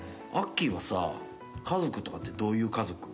アッキーはさ家族とかってどういう家族？